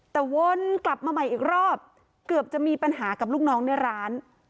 แต่วนกลับมาใหม่อีกรอบเกือบจะมีปัญหากับลูกน้องในร้าน